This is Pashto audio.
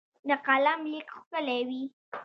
د قلم لیک ښکلی وي.